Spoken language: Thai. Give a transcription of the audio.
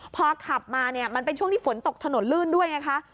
พอขับมาเนี่ยมันเป็นช่วงที่ฝนตกถนนลื่นด้วยไงคะ